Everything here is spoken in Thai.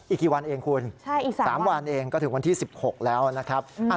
อีกกี่วันเองคุณ๓วันเองก็ถึงวันที่๑๖แล้วนะครับ